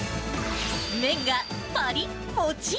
麺がパリッもちっ！